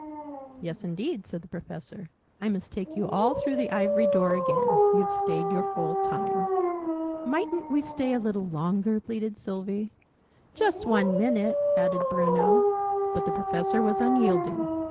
"Yes, indeed," said the Professor. "I must take you all through the Ivory Door again. You've stayed your full time." "Mightn't we stay a little longer!" pleaded Sylvie. "Just one minute!" added Bruno. But the Professor was unyielding.